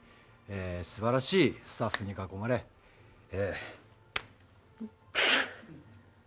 すばらしいスタッフに囲まれえくっ。